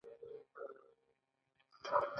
موخه پایداره ډیموکراسۍ ته د دې مبارزې رسیدل دي.